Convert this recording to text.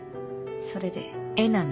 それで。